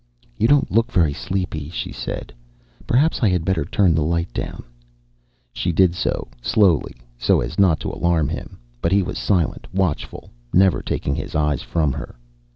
"You don't look very sleepy," she said. "Perhaps I had better turn the light down." She did so, slowly, so as not to alarm him. But he was silent, watchful, never taking his eyes from her.